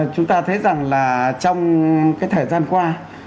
chúng ta thấy rằng là trong cái thời gian qua